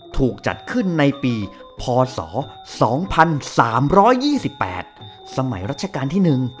ถูกจัดขึ้นในปีพศ๒๓๒๘สมัยรัชกาลที่๑